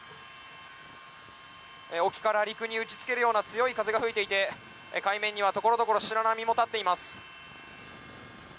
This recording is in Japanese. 沖から陸に打ち付けるような強い風が吹いていて海面には、ところどころ白波も立っています。